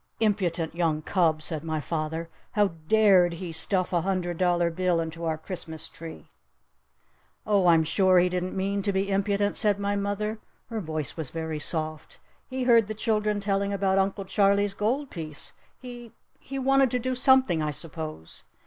"Impudent young cub!" said my father. "How dared he stuff a hundred dollar bill into our Christmas tree?" "Oh, I'm sure he didn't mean to be impudent," said my mother. Her voice was very soft. "He heard the children telling about Uncle Charlie's gold piece. He he wanted to do something I suppose.